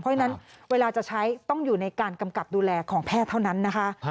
เพราะฉะนั้นเวลาจะใช้ต้องอยู่ในการกำกับดูแลของแพทย์เท่านั้นนะคะ